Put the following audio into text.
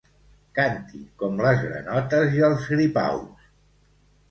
Canti com les granotes i els gripaus.